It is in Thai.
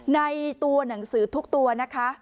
ในตัวหนังสือทุกตัวนะคะ